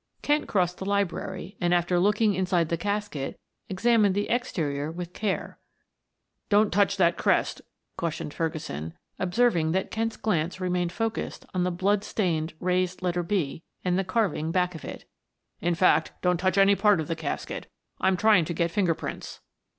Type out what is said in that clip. Kent crossed the library and, after looking inside the casket, examined the exterior with care. "Don't touch that crest," cautioned Ferguson, observing that Kent's glance remained focused on the blood stained, raised letter "B" and the carving back of it. "In fact, don't touch any part of the casket, I'm trying to get finger prints."